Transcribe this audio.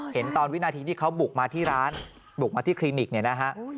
เห็นตอนวินาทีที่เขาบุกมาที่ร้านบุกมาที่คลินิกเนี่ยนะฮะ